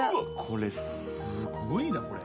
これすごいなこれ。